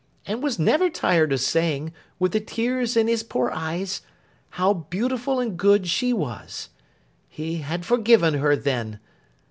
and was never tired of saying, with the tears in his poor eyes, how beautiful and good she was. He had forgiven her then.